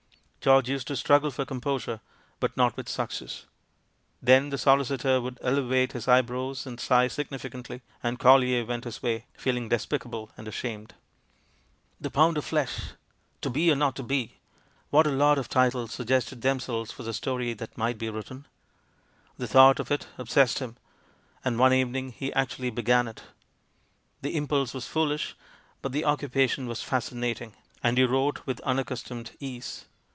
George used to struggle for composure, but not with success. Then the solicitor would ele vate his ej^ebrows and sigh significantly; and Collier went his way, feeling despicable and ashamed. "The Pound of Flesh," "To Be or Not to Be," — what a lot of titles suggested themselves for the story that might be written ! The thought of it obsessed him; and one evening he actually be gan it. The impulse was foolish, but the occupa tion was fascinating, and he wrote with unaccus tomed ease.